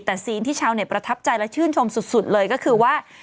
แต่ซีนที่ชาวเน็ตประทับใจและชื่นชมสุดเลยก็คือว่า